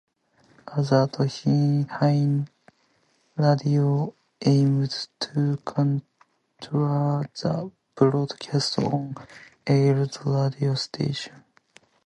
Azad Hind Radio aimed to counter the broadcasts of Allied radio stations.